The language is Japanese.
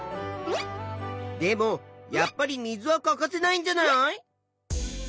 でもやっぱり水は欠かせないんじゃない？